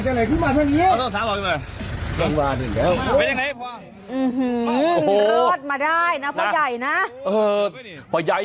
ใจเย็นเลยคุณตา